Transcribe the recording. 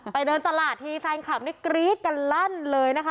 เดินตลาดทีแฟนคลับนี่กรี๊ดกันลั่นเลยนะคะ